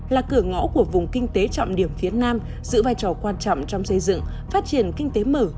là cửa ngõ của vùng kinh tế trọng điểm phía nam giữ vai trò quan trọng trong xây dựng phát triển kinh tế mở